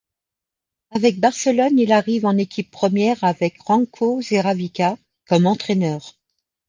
Avec Barcelone, il arrive en équipe première avec Ranko Žeravica comme entraineur.